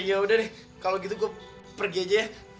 ya udah deh kalau gitu gue pergi aja ya